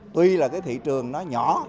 tuy là cái thị trường nó nhỏ